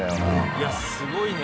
いやすごいね。